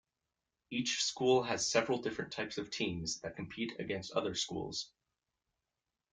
Each school has several different types of teams that compete against other schools.